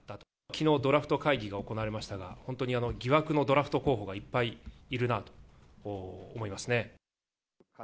きのう、ドラフト会議が行われましたが、本当に疑惑のドラフト候補がいっぱいいるなと思いますね。